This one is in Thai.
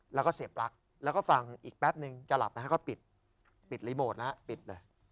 แล้วก็เสียปลั๊กแล้วก็ฟังอีกแป๊บนึงจะหลับไหมฮะก็ปิดปิดรีโมทแล้วปิดเลย